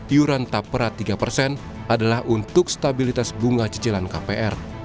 iuran tapra tiga persen adalah untuk stabilitas bunga cicilan kpr